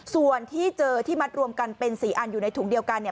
ส่วนที่เจอที่มัดรวมกันเป็น๔อันอยู่ในถุงเดียวกัน